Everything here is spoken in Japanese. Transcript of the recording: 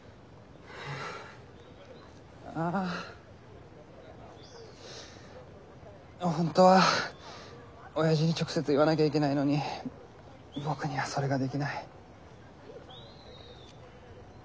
ああ本当はおやじに直接言わなきゃいけないのに僕にはそれができない。